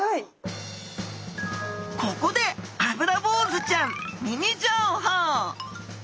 ここでアブラボウズちゃんミニ情報！